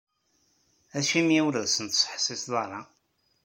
Acimi ur as-tettḥessiseḍ ara?